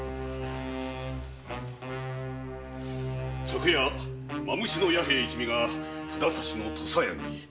昨夜蝮の弥平一味が札差しの土佐屋に。